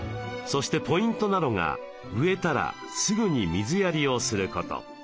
そしてポイントなのが植えたらすぐに水やりをすること。